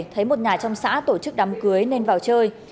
thấy một nhà trong xã tổ chức đám cưới nên vào chơi